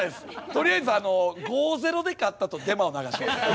とりあえず５−０で勝ったとデマを流します。